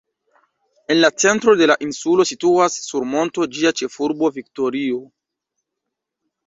En la centro de la insulo situas sur monto ĝia ĉefurbo Viktorio.